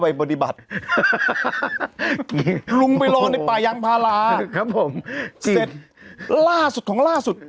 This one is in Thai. ไปปฏิบัติลุงไปรอในป่ายางพาราครับผมเสร็จล่าสุดของล่าสุด